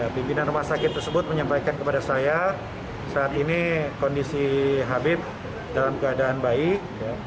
pimpinan rumah sakit tersebut menyampaikan kepada saya saat ini kondisi habib dalam keadaan baik